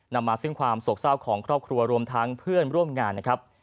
นำมาซึ่งความโศกเศร้าของครอบครัวรวมทั้งเพื่อนร่วมงานนะครับ